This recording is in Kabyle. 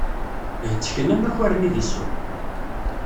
Hettken amakar-nni di ssuq.